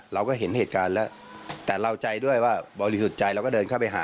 เราก็เห็นเหตุการณ์แล้วแต่เราใจด้วยว่าบริสุทธิ์ใจเราก็เดินเข้าไปหา